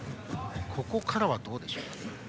ここからはどうでしょうか。